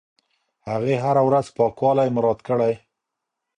هغې هره ورځ پاکوالی مراعت کړی.